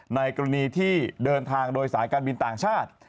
ในกรณีที่เดินทางโดยสายการบินต่างชาติ